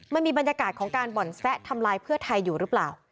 มันมีบรรยากาศของการบ่อนแซะทำลายเพื่อไทยอยู่หรือเปล่า